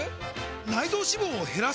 内臓脂肪を減らす！？